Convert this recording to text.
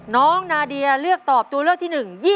นาเดียเลือกตอบตัวเลือกที่๑๒